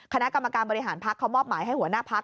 คณะกรรมการบริหารพักเขามอบหมายให้หัวหน้าพัก